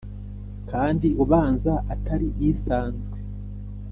Kandi ubanza atari isanzwe: